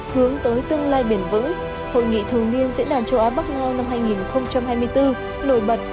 hướng tới tương lai bền vững hội nghị thường niên diễn đàn châu á bắc ngao năm hai nghìn hai mươi bốn nổi bật